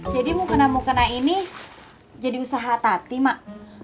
jadi mau kena mau kena ini jadi usaha tati mak